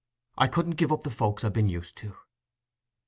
"I couldn't give up the folks I've been used to."